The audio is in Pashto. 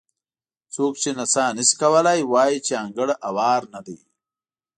څوک چې نڅا نه شي کولی وایي چې انګړ هوار نه دی.